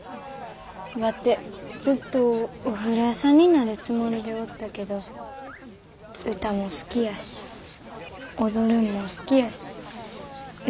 ワテずっとお風呂屋さんになるつもりでおったけど歌も好きやし踊るんも好きやし運動も好きやし。